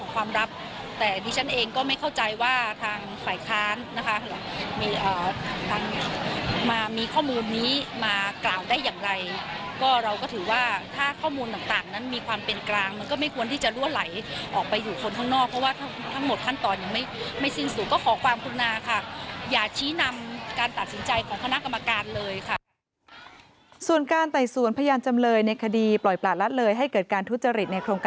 ความรับแต่ดิฉันเองก็ไม่เข้าใจว่าทางฝ่ายค้านนะคะมีเอ่อทางมามีข้อมูลนี้มากล่าวได้อย่างไรก็เราก็ถือว่าถ้าข้อมูลต่างนั้นมีความเป็นกลางมันก็ไม่ควรที่จะลั่วไหลออกไปอยู่คนข้างนอกเพราะว่าทั้งหมดขั้นตอนยังไม่ไม่สิ้นสูงก็ขอความพุนาค่ะอย่าชี้นำการตัดสินใจของคณะกรรมการเลยค่ะส่วนการไต